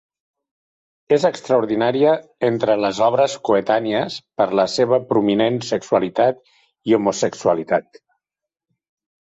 És extraordinària entre les obres coetànies per la seva prominent sexualitat i homosexualitat.